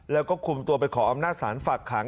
แล้วก็คุมตัวไปขออำนาจศาลฝากขัง